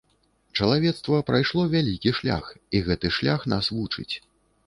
Чалавецтва прайшло вялікі шлях, і гэты шлях нас вучыць.